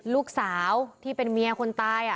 ลูกสาวที่เป็นเมียคนตาย